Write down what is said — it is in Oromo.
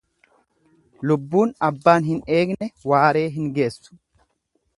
Lubbuun abbaan hin eegne waaree hin geessu.